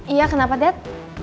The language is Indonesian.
iya kenapa dad